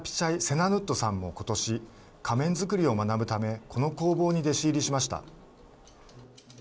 ・セナヌットさんもことし、仮面作りを学ぶためこの工房に弟子入りしました。